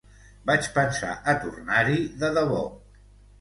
Vaig pensar a tornar-hi, de debò.